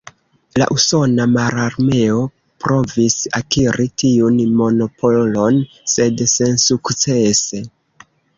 La Usona Mararmeo provis akiri tiun monopolon, sed sensukcese.